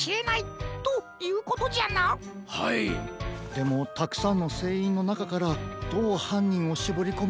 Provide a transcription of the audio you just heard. でもたくさんのせんいんのなかからどうはんにんをしぼりこめば。